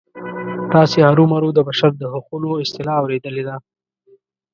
تاسې هرومرو د بشر د حقونو اصطلاح اوریدلې ده.